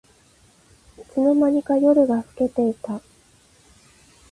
いつの間にか夜が更けていた